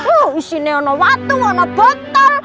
oh isinya ada watung ada botol